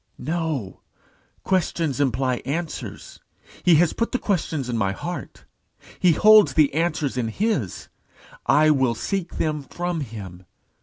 "No. Questions imply answers. He has put the questions in my heart; he holds the answers in his. I will seek them from him.